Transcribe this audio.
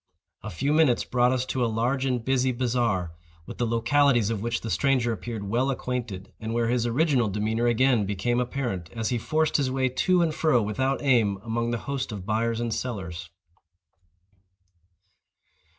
A few minutes brought us to a large and busy bazaar, with the localities of which the stranger appeared well acquainted, and where his original demeanor again became apparent, as he forced his way to and fro, without aim, among the host of buyers and sellers.